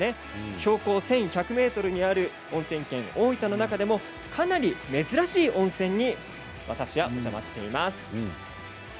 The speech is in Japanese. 標高１１００ｍにあるおんせん県おおいたの中でもかなり珍しい温泉に私がお邪魔しています。